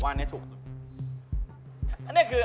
ผมว่านี้ถูกสุด